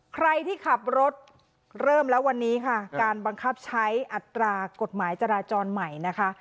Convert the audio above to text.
ใครที่ขับรถเริ่มแล้ววันนี้ค่ะการบังคับใช้อัตรากฎหมายจราจรใหม่นะคะ